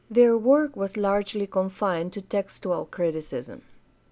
Their work was largely confined to textual criticism.